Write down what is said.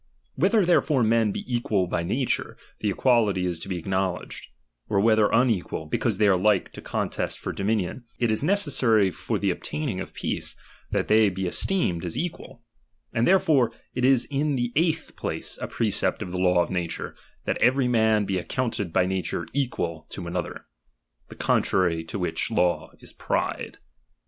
Whether therefore men be equal by nature, the equality is to be acknow ledged ; or whether unequal, because they are like to contest for dominion, it is necessary for the obtaining of peace, that they he esteemed as equal ; and therefore it is in the eighth place a precept of the law of nature, that every man he accounted by nature equal to another ; the con trary to which law is pride.